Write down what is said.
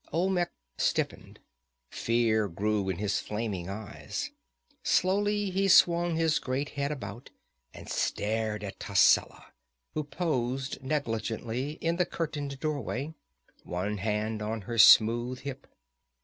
Olmec stiffened; fear grew in his flaming eyes. Slowly he swung his great head about and stared at Tascela who posed negligently in the curtained doorway, one hand on her smooth hip.